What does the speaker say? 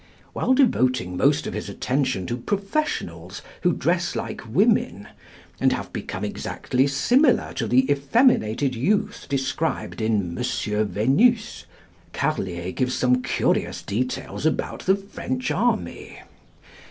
While devoting most of his attention to professionals who dress like women, and have become exactly similar to the effeminated youth described in Monsieur Vénus, Carlier gives some curious details about the French army.